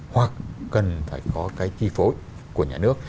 hoặc cần phải có cái chi phối của nhà nước